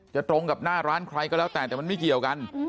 ตรงกับหน้าร้านใครก็แล้วแต่แต่มันไม่เกี่ยวกัน